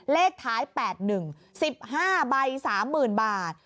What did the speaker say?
เลขท้าย๘๑๑๕ใบ๓๐๐๐บาท